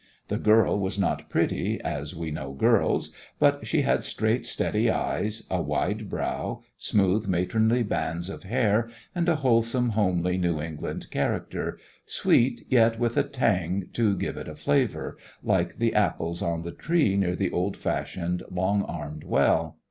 The girl was not pretty, as we know girls; but she had straight steady eyes, a wide brow, smooth matronly bands of hair, and a wholesome, homely New England character, sweet, yet with a tang to give it a flavour, like the apples on the tree near the old fashioned, long armed well.